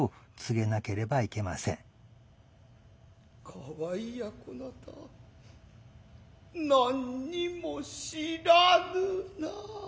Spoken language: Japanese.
かわいやこなた何にもしらぬな